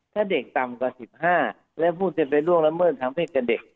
ถ้าเด็กต่ำกว่า๑๕และผู้จะไปล่วงละเมิดทางเพศกับเด็ก